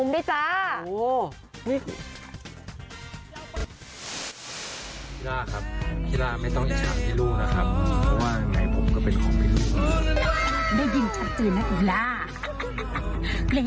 นี่ขนาดรังเอกยังไม่ได้แตะเลย